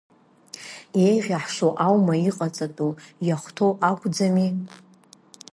Еиӷьаҳшьо аума иҟаҵатәу, иахәҭоу акәӡами?